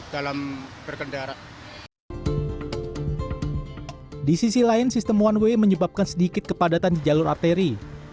di sisi lain sistem one way menyebabkan sedikit kepadatan di jalur arteri